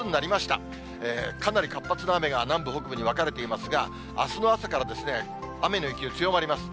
かなり活発な雨が南部、北部に分かれていますが、あすの朝から雨の勢い強まります。